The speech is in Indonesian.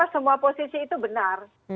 semua posisi itu benar